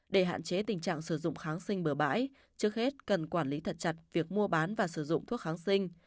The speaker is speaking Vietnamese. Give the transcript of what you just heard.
để hạn chế tình trạng sử dụng kháng sinh bừa bãi trước hết cần quản lý thật chặt việc mua bán và sử dụng thuốc kháng sinh